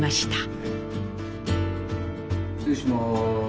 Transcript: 失礼します。